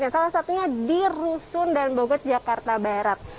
salah satunya di rusun dan bogor jakarta barat